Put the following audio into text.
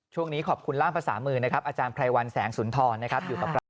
ช่วงนี้ขอบคุณล่ามภาษามือนะครับอาจารย์ไพรวัลแสงสุนทรนะครับอยู่กับเรา